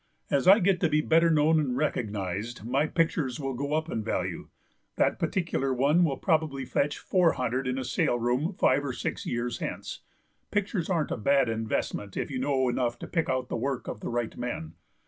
As I get to be better known and recognised my pictures will go up in value. That particular one will probably fetch four hundred in a sale room five or six years hence; pictures aren't a bad investment if you know enough to pick out the work of the right men.